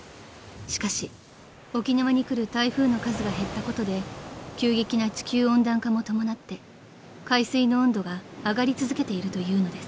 ［しかし沖縄に来る台風の数が減ったことで急激な地球温暖化も伴って海水の温度が上がり続けているというのです］